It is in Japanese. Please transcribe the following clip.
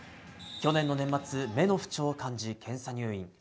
去年の年末目の不調を感じ検査入院。